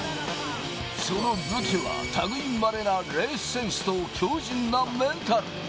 その武器は、たぐいまれなレースセンスと強じんなメンタル。